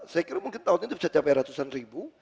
saya kira mungkin tahun ini bisa capai ratusan ribu